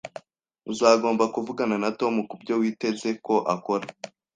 Uzagomba kuvugana na Tom kubyo witeze ko akora